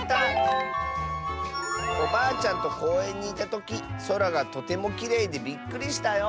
「おばあちゃんとこうえんにいたときそらがとてもきれいでびっくりしたよ！」。